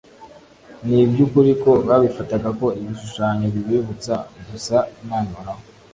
Ni iby’ukuri ko babifataga ko ibishushanyo bibibutsa gusa Imana ihoraho